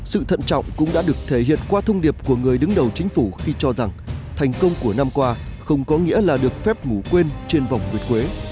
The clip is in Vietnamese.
sự thận trọng cũng đã được thể hiện qua thông điệp của người đứng đầu chính phủ khi cho rằng thành công của năm qua không có nghĩa là được phép ngủ quên trên vòng nguyệt quế